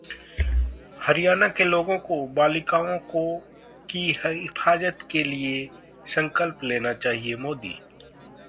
हरियाणा के लोगों को बालिकाओं की हिफाजत के लिए संकल्प लेना चाहिए: मोदी